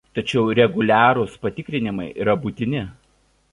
Tačiau reguliarūs patikrinimai yra būtini.